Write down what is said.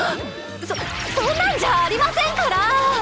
そそんなんじゃありませんから！